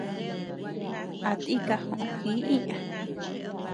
A tika joʼo ji iña.